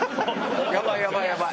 やばい、やばい、やばい。